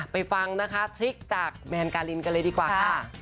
ฟังนะคะทริคจากแมนการินกันเลยดีกว่าค่ะ